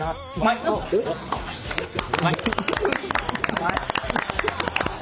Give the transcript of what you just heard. うまい。